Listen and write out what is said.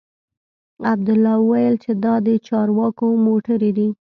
عبدالله وويل چې دا د چارواکو موټرې دي.